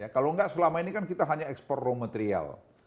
kalau enggak selama ini kan kita hanya ekspor raw material